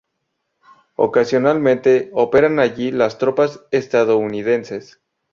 Ocasionalmente operan allí las tropas estadounidenses.